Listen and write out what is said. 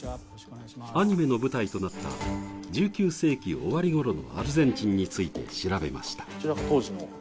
アニメの舞台となった１９世紀終わりごろのアルゼンチンについて調べました。